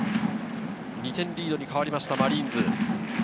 ２点リードに変わりました、マリーンズ。